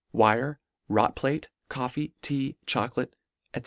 wire, wrought plate, coffee, tea, chocolate, &c.